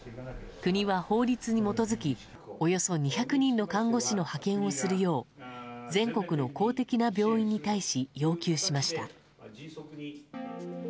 国は法律に基づき、およそ２００人の看護師の派遣をするよう、全国の公的な病院に対し要求しました。